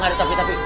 gak ada tapi tapi